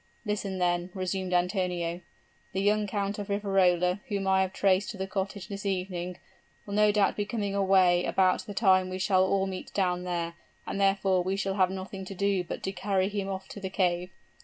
'Listen, then,' resumed Antonio, 'the young Count of Riverola, whom I have traced to the cottage this evening, will no doubt be coming away about the time we shall all meet down there; and therefore we shall have nothing to do but to carry him off to the cave.'